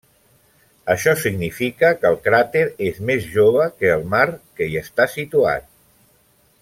Això significa que el cràter és més jove que el mar que hi està situat.